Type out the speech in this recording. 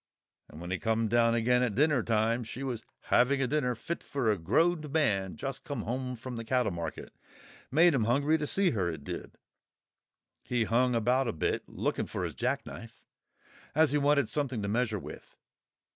And when he come down again at dinner time she was having a dinner fit for a growed man just come home from the cattle market—made him hungry to see her, it did; he hung about a bit looking for his jack knife, as he wanted something to measure with.